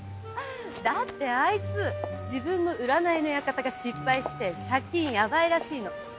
だってあいつ自分の占いの館が失敗して借金ヤバいらしいの。